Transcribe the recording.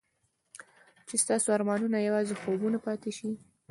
چې ستاسو ارمانونه یوازې خوبونه پاتې شي.